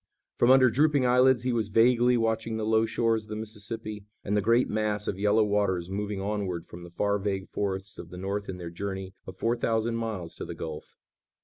From under drooping eyelids he was vaguely watching the low shores of the Mississippi, and the great mass of yellow waters moving onward from the far vague forests of the North in their journey of four thousand miles to the gulf.